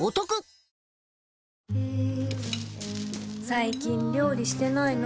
最近料理してないの？